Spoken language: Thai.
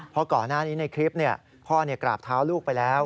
เพราะก่อนหน้านี้ในคลิปพ่อกราบเท้าลูกไปแล้ว